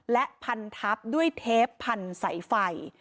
และพันทับด้วยเทปพันสายไฟ